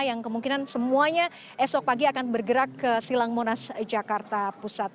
yang kemungkinan semuanya esok pagi akan bergerak ke silang monas jakarta pusat